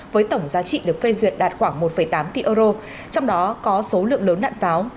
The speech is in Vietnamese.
với tổng giá trị được phê duyệt đạt khoảng một tám tỷ euro trong đó có số lượng lớn đạn pháo